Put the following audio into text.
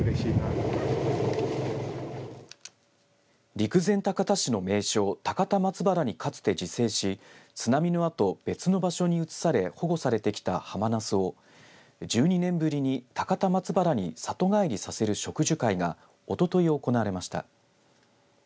陸前高田市の名勝高田松原にかつて自生し津波のあと、別の場所に移され保護されてきたハマナスを１２年ぶりに高田松原に里帰りさせる植樹会がおととい行われました。